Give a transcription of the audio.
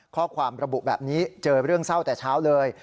ข้อความระบุแบบนี้เจอเรื่องเศร้าแต่เช้าเลย